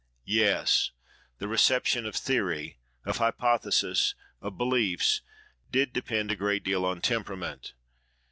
Yes! the reception of theory, of hypothesis, of beliefs, did depend a great deal on temperament.